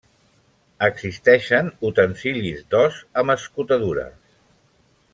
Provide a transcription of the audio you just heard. Existeixen utensilis d'os amb escotadures.